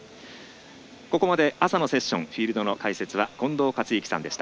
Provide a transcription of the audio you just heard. ここまで朝のセッションフィールド解説は近藤克之さんでした。